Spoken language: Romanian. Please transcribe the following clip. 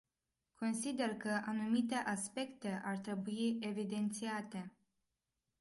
Consider că anumite aspecte ar trebui evidențiate.